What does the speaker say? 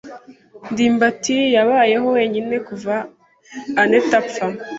ndimbati yabayeho wenyine kuva anet apfa.